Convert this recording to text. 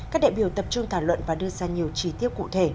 các đại biểu tập trung thảo luận và đưa ra nhiều trí tiêu cụ thể